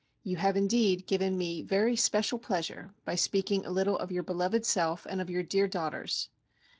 You have indeed given me very special pleasure by speaking a little of your beloved self and of your dear daughters.